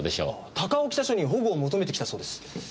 高尾北署に保護を求めてきたそうです。